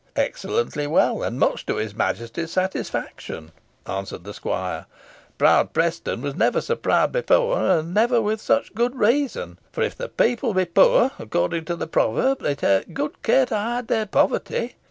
"Excellently well, and much to his Majesty's satisfaction," answered the squire. "Proud Preston never was so proud before, and never with such good reason; for if the people be poor, according to the proverb, they take good care to hide their poverty.